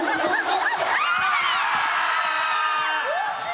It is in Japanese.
惜しい！